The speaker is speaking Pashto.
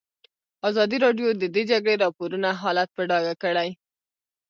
ازادي راډیو د د جګړې راپورونه حالت په ډاګه کړی.